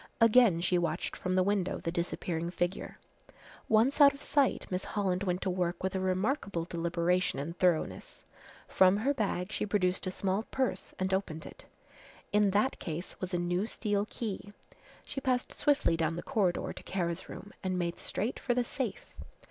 Again she watched from the window the disappearing figure. Once out of sight Miss Holland went to work with a remarkable deliberation and thoroughness. From her bag she produced a small purse and opened it. In that case was a new steel key. She passed swiftly down the corridor to Kara's room and made straight for the safe.